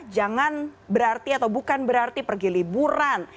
jangan berarti atau bukan berarti pergi liburan